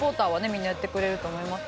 みんなやってくれると思います。